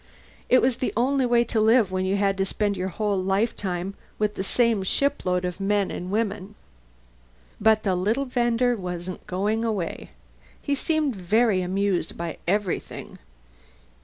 It was the only way to live when you had to spend your whole lifetime with the same shipload of men and women. But the little vender wasn't going away. He seemed very amused by everything.